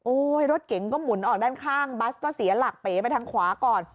รถเก๋งก็หมุนออกด้านข้างบัสก็เสียหลักเป๋ไปทางขวาก่อน